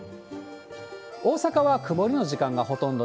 大阪は曇りの時間がほとんど。